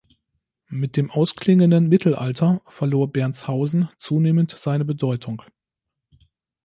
Mit dem ausklingenden Mittelalter verlor Bernshausen zunehmend seine Bedeutung.